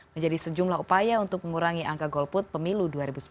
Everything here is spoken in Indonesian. menjadi sejumlah upaya untuk mengurangi angka golput pemilu dua ribu sembilan belas